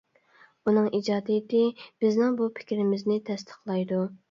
ئۇنىڭ ئىجادىيىتى بىزنىڭ بۇ پىكرىمىزنى تەستىقلايدۇ.